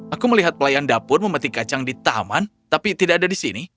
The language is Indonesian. aku melihat pelayan dapur memetik kacang di taman tapi tidak ada di sini